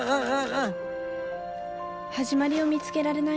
始まりを見つけられない